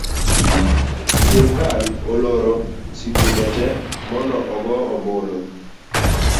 Sirikal oloro sikunde tee mondo ogoo ombulu